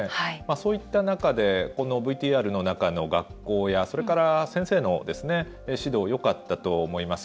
そういった中でＶＴＲの中の学校やそれから、先生の指導よかったと思います。